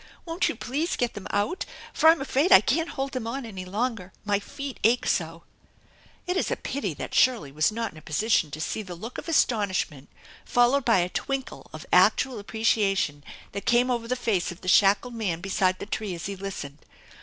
Won't you please get them out, for I'm afraid I can't hold them on any longer, my feet ache so !" It is a pity that Shirley was not in a position to see the look of astonishment, followed by a twinkle of actual apprecia tion that came over the face of the shackled man beside the tree as he listened.